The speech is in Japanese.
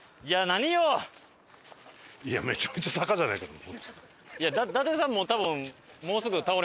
いやめちゃくちゃ坂じゃねえか。